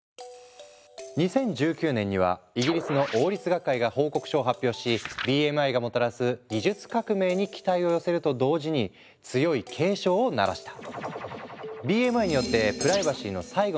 ２０１９年にはイギリスの王立学会が報告書を発表しＢＭＩがもたらす技術革命に期待を寄せると同時に強い警鐘を鳴らした。